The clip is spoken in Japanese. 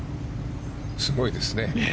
すごいですね。